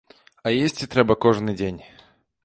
А есці трэба кожны дзень.